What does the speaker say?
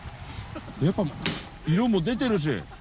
やっぱ色も出てるし。